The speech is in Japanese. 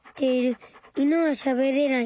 イヌはしゃべれない。